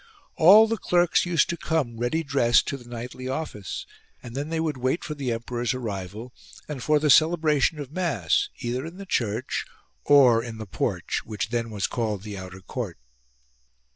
All the clerks used to come ready dressed to the nightly office, and then they would wait for the emperor's arrival, and for the celebration of mass either in the church or in the porch which then was called the outer court.